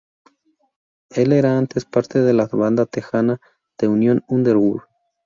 Él era antes parte de la banda Texana "The Union Underground".